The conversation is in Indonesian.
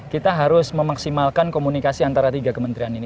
kita harus memaksimalkan komunikasi antara tiga kementerian ini